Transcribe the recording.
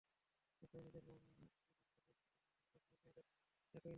খাতায় নিজের নাম লেখার পরে স্কুলের নাম লিখতে গিয়েও সেই একই নাম।